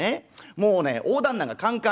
もうね大旦那がカンカン。